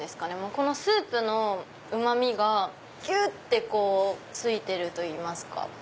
このスープのうまみがぎゅってついてるといいますか。